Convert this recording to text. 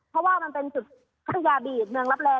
เพราะว่ามันเป็นจุดพัทยาบีดเมืองรับแรง